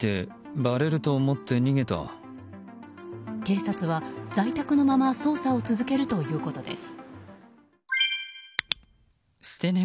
警察は在宅のまま捜査を続けるということです。